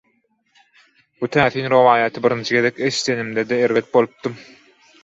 Bu täsin rowaýaty birinji gezek eşdenimde-de erbet bolupdym